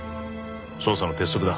捜査の鉄則だ。